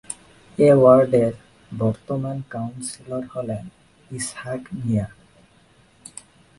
এ ওয়ার্ডের বর্তমান কাউন্সিলর হলেন ইসহাক মিয়া।